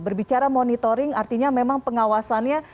berbicara monitoring artinya memang pengawasannya